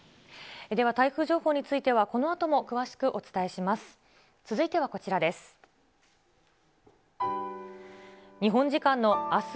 では台風情報についてはこのあとも詳しくお伝えします。